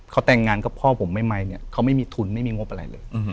เขาแต่งงานกับพ่อผมใหม่เนี่ยเขาไม่มีทุนไม่มีงบอะไรเลย